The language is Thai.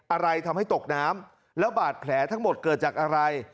อะไรทำให้ตกน้ำแล้วบาดแผลทั้งหมดเกิดจากอะไร